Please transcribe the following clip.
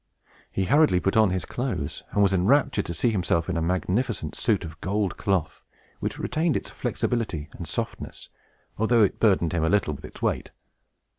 He hurriedly put on his clothes, and was enraptured to see himself in a magnificent suit of gold cloth, which retained its flexibility and softness, although it burdened him a little with its weight.